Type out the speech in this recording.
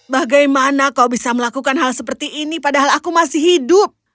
bagaimana kau bisa melakukan hal seperti ini padahal aku masih hidup